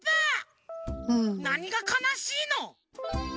なにがかなしいの！